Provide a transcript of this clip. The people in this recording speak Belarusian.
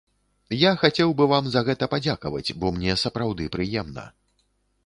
Я хацеў бы вам за гэта падзякаваць, бо мне сапраўды прыемна.